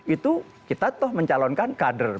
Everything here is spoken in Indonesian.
itu kita mencalonkan kader